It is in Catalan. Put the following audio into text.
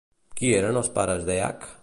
Qui eren els pares d'Èac?